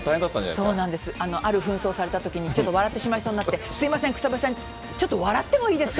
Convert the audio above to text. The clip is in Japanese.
そうなんです、あるふん装されたときに、ちょっと笑ってしまいそうになって、すみません、草笛さん、ちょっと笑ってもいいですか？